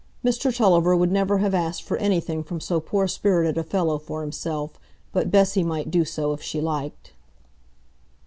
Mr Tulliver would never have asked for anything from so poor spirited a fellow for himself, but Bessy might do so if she liked.